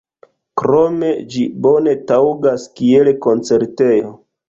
Krome ĝi bone taŭgas kiel koncertejo.